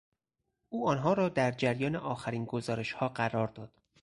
او آنان را در جریان آخرین گزارشها قرار داد.